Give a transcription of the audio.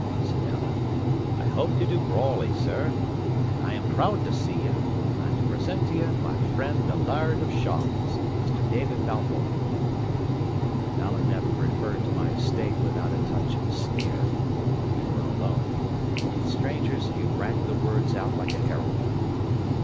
said Alan. "I hope ye do brawly, sir. And I am proud to see ye, and to present to ye my friend the Laird of Shaws, Mr. David Balfour." Alan never referred to my estate without a touch of a sneer, when we were alone; but with strangers, he rang the words out like a herald.